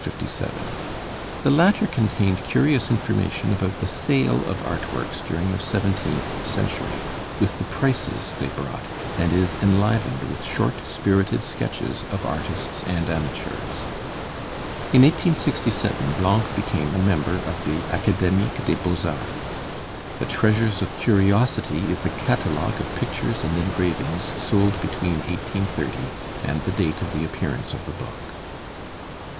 The latter contained curious information about the sale of art works during the seventeenth century, with the prices they brought, and is enlivened with short spirited sketches of artists and amateurs. In 1867 Blanc became a member of the Academic des Beaux Arts. The 'Treasures of Curiosity' is a catalogue of pictures and engravings sold between 1830 and the date of the appearance of the book.